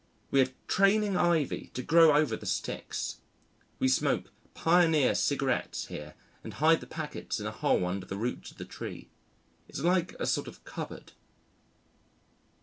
We are training ivy to grow over the sticks. We smoke "Pioneer" cigarettes here and hide the packets in a hole under the roots of the tree. It's like a sort of cupboard.